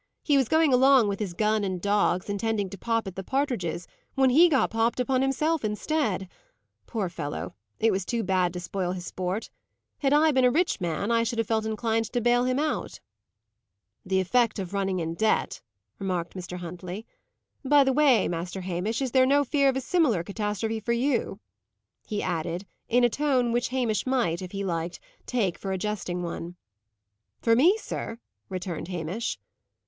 "He was going along with his gun and dogs, intending to pop at the partridges, when he got popped upon himself, instead. Poor fellow! it was too bad to spoil his sport. Had I been a rich man, I should have felt inclined to bail him out." "The effect of running in debt," remarked Mr. Huntley. "By the way, Master Hamish, is there no fear of a similar catastrophe for you?" he added, in a tone which Hamish might, if he liked, take for a jesting one. "For me, sir?" returned Hamish.